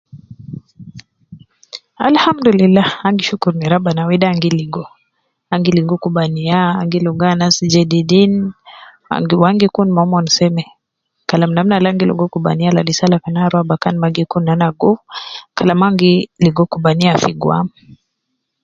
Alhamdulillah an gi shukur ne rabbana wede an gi ligo, an gi ligo kubaniya ,an gi ligo anas jedidin ,an gi wu an gi kun momon seme, Kalam namna al an gi ligo kubaniya ladi sala kan an rua fi bakan ma gi kun nana gowu Kalam an gi ligo kubaniya fi gwam